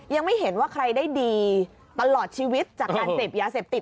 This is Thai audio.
ยังไม่เห็นว่าใครได้ดีตลอดชีวิตจากการเสพยาเสพติด